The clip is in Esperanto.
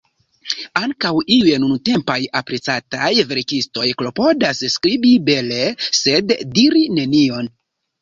Ankaŭ iuj nuntempaj, aprecataj verkistoj klopodas skribi bele, sed diri nenion.